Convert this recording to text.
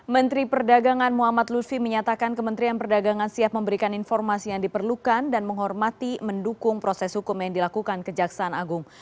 menteri perdagangan muhammad lutfi menyatakan kementerian perdagangan siap memberikan informasi yang diperlukan dan menghormati mendukung proses hukum yang dilakukan kejaksaan agung